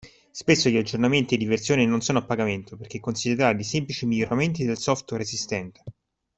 Spesso gli aggiornamenti di versione non sono a pagamento perché considerati semplici miglioramenti del software esistente.